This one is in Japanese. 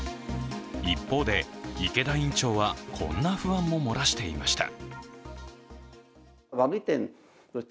一方で、池田院長はこんな不安も漏らしていました。